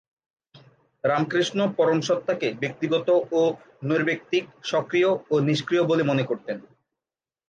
রামকৃষ্ণ পরম সত্তাকে ব্যক্তিগত ও নৈর্ব্যক্তিক, সক্রিয় ও নিষ্ক্রিয় বলে মনে করতেন।